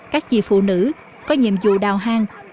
các chị phụ nữ có nhiệm vụ đào hang